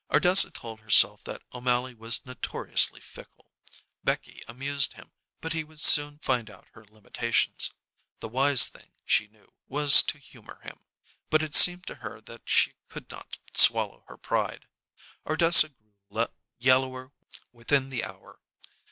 Ardessa told herself that O'Mally was notoriously fickle; Becky amused him, but he would soon find out her limitations. The wise thing, she knew, was to humor him; but it seemed to her that she could not swallow her pride. Ardessa grew yellower within the hour.